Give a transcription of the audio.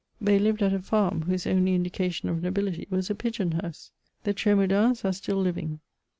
They lived at a farm, whose only indication of nobility was a pigeon house I The Tr^maudans are still living.